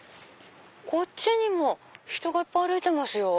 こっちにも人がいっぱい歩いてますよ。